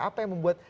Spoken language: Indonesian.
apa yang membuat